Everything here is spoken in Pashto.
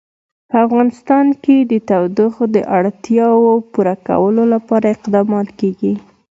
په افغانستان کې د تودوخه د اړتیاوو پوره کولو لپاره اقدامات کېږي.